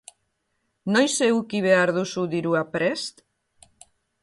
Noiz eduki behar duzu dirua prest?